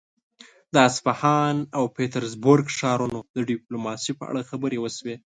د اصفهان او پيترزبورګ ښارونو د ډيپلوماسي په اړه خبرې وشوې.